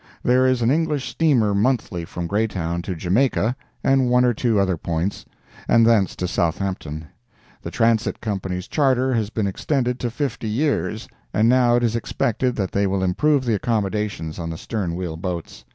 There is an English steamer monthly from Greytown to Jamaica and one or two other points, and thence to Southampton. The Transit Company's charter has been extended to fifty years, and now it is expected that they will improve the accommodations on the stern wheel boats.